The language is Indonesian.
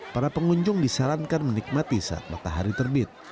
para pengunjung disarankan menikmati saat matahari terbit